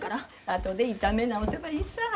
後で炒め直せばいいさぁ。